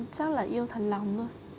chắc là yêu thật lòng thôi